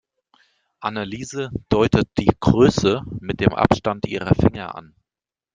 Anneliese deutet die Größe mit dem Abstand ihrer Finger an.